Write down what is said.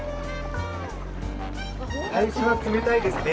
最初は冷たいですね。